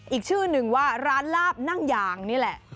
อีกชื่อหนึ่งว่าร้านลาบนั่งยางนี่แหละ